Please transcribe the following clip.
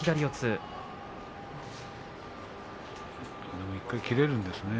でも１回切れるんですね。